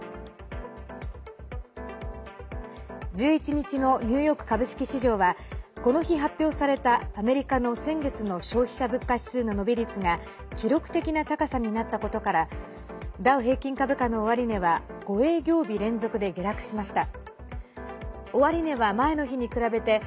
１１日のニューヨーク株式市場はこの日、発表されたアメリカの先月の消費者物価指数の伸び率が記録的な高さになったことからダウ平均株価の終値は５営業日連続で下落しました。